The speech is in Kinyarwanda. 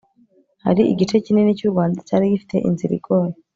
hari igice kinini cy'u rwanda cyari gifite inzira igoye